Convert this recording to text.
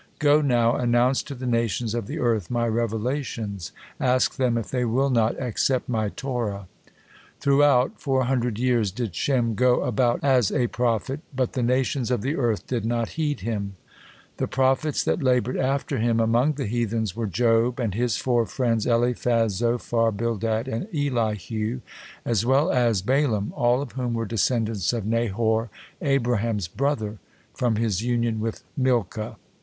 Go now, announce to the nations of the earth My revelations, ask them if they will not accept My Torah." Throughout four hundred years did Shem go about as a prophet, but the nations of the earth did not heed him. The prophets that labored after him among the heathens were Job and his four friends, Eliphaz, Zophar, Bildad, and Elihu, as well as Balaam, all of whom were descendants of Nahor, Abraham's brother, from his union with Milcah.